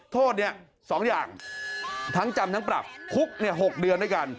โทษ๒อย่างทั้งจำทั้งปรับคุก๖เดือนด้วยกัน